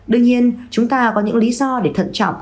đương nhiên chúng ta có những lý do để thận trọng